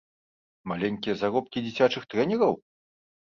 Маленькія заробкі дзіцячых трэнераў?